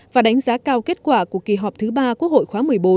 và đánh giá cao kết quả của kỳ họp thứ ba quốc hội khóa một mươi bốn